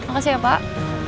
makasih ya pak